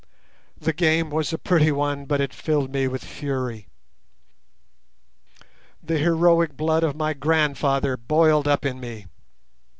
The game was a pretty one, but it filled me with fury. The heroic blood of my grandfather boiled up in me.